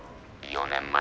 ４年前。